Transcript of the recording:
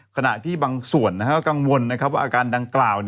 ขณะที่บางส่วนกังวลว่าอาการดังกล่าว